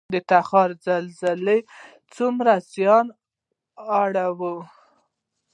د تخار زلزلې څومره زیان اړوي؟